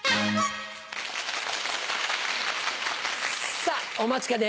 さぁお待ちかね